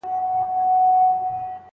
هغه کس رسول الله ته وويل.